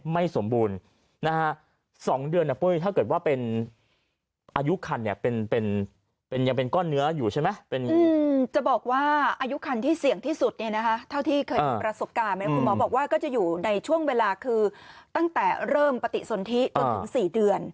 ที่เสี่ยงที่สุดเท่าที่เคยมีประสบการณ์เหมือนคุณหมอบอกว่าจะอยู่ในช่วงเวลาคือตั้งแต่เริ่มปฏิสนทิเกิดถึง๔เดือน